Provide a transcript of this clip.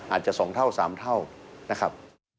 อาจจะ๒เท่า๓เท่านะครับ